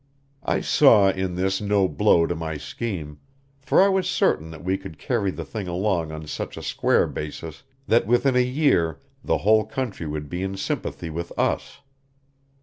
I saw in this no blow to my scheme, for I was certain that we could carry the thing along on such a square basis that within a year the whole country would be in sympathy with us.